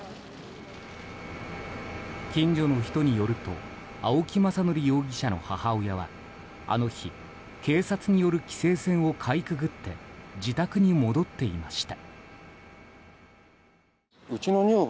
近所の人によると青木政憲容疑者の母親はあの日、警察による規制線をかいくぐって自宅に戻っていました。